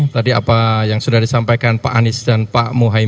tadi apa yang sudah disampaikan pak anies dan pak muhaymin